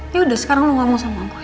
ya udah sekarang lo gak mau sama aku